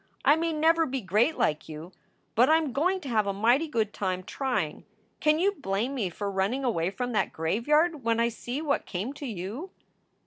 I may never be great like you, but I m going to have a mighty good time trying. Can you blame me for running away from that graveyard when I see what came to you?"